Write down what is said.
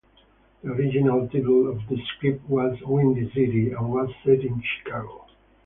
The original title of the script was "Windy City", and was set in Chicago.